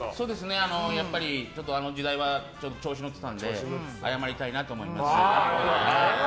やっぱりあの時代は調子に乗ってたので謝りたいなと思います。